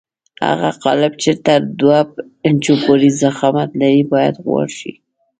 هغه قالب چې تر دوه انچو پورې ضخامت لري باید غوړ شي.